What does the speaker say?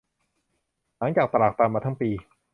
หลังจากตรากตรำมาทั้งปี